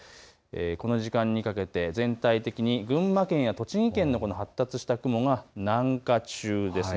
この時間にかけて全体的に群馬県や栃木県、発達した雲が南下中です。